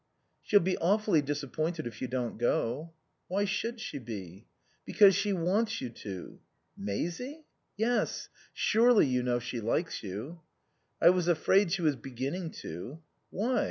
"She'll be awfully disappointed if you don't go." "Why should she be?" "Because she wants you to." "Maisie?" "Yes. Surely you know she likes you?" "I was afraid she was beginning to " "Why?